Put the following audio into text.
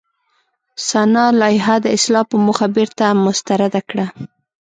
سنا لایحه د اصلاح په موخه بېرته مسترده کړه.